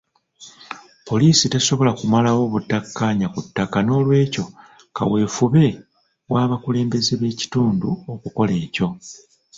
Poliisi tesobola kumalawo butakkaanya ku ttaka n'olwekyo kaweefube w'abakulembeze b'ekitundu okukola ekyo.